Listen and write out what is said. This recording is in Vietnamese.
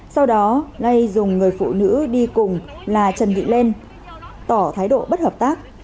sau đó lây dùng người phụ nữ đi cùng là trần vị lên tỏ thái độ bất hợp tác